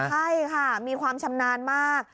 ใช่ค่ะมีความชำนาญมาก